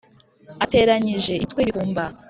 ateranyije imitwe y’ibikumba